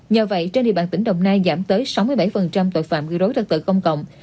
nhờ vậy trên địa bàn tỉnh đồng nai giảm tới sáu mươi bảy tội phạm gây rối tật tự công cộng